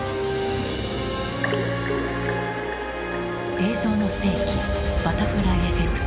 「映像の世紀バタフライエフェクト」。